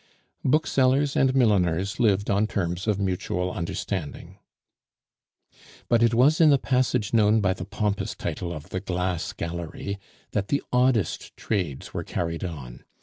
Booksellers and milliners lived on terms of mutual understanding. But it was in the passage known by the pompous title of the "Glass Gallery" that the oddest trades were carried on.